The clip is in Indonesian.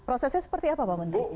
prosesnya seperti apa pak menteri